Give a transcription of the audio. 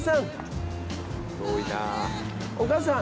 お母さん。